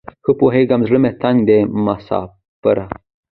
ښه پوهیږم زړه دې تنګ دی مساپره